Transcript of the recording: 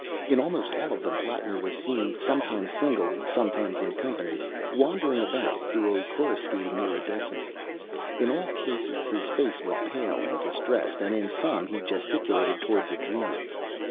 In almost all of them Plattner was seen, sometimes singly, sometimes in company, wandering about through a coruscating iridescence. In all cases his face was pale and distressed, and in some he gesticulated towards the dreamer.